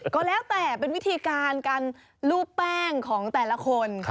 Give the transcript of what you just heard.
ก็แล้วแต่เป็นวิธีการการลูบแป้งของแต่ละคน